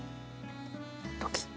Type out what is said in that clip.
ドキッ。